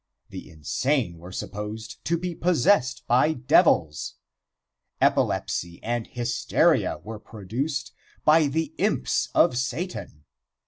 The insane were supposed to be possessed by devils. Epilepsy and hysteria were produced by the imps of Satan.